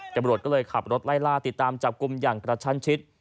ตำรวจก็เลยขับรถไล่ล่าติดตามจับกลุ่มอย่างกระชั้นชิด